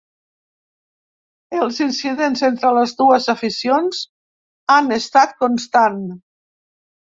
Els incidents entre les dues aficions han estat constant.